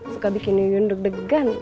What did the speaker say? suka bikin deg degan